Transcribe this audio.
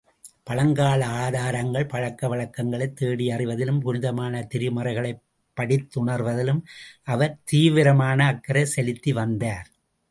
பழங்கால ஆதாரங்கள், பழக்க வழக்கங்களைத் தேடி அறிவதிலும், புனிதமான திருமறைகளைப் படித்துணர்வதிலும், அவர் தீவிரமான அக்கறைச் செலுத்திவந்தார்.